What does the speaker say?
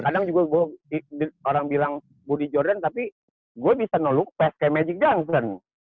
kadang juga orang bilang budi jordan tapi gue bisa nolok kayak magic duncan